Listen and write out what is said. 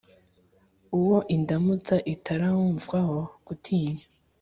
Uwo indamutsa itarumvwaho gutinya,